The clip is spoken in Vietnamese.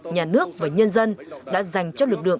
nhà nước và nhân dân đã dành cho lực lượng